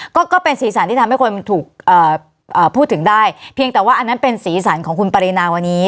ก็เป็นสีสันที่ทำให้คนถูกพูดถึงได้เพียงแต่ว่าอันนั้นเป็นสีสันของคุณปรินาวันนี้